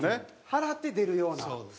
払って出るような。